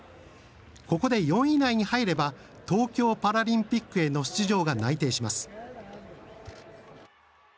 ここで４位以内に入れば東京パラリンピックへの出場が内定します。